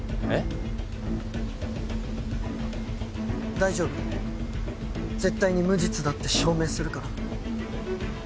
大丈夫絶対に無実だって証明するから。